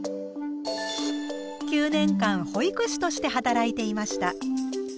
９年間保育士として働いていました。